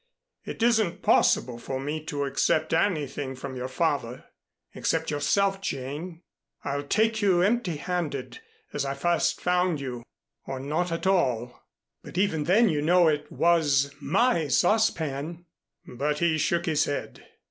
It isn't possible for me to accept anything from your father, except yourself, Jane. I'll take you empty handed as I first found you or not at all." "But even then you know it was my saucepan " But he shook his head.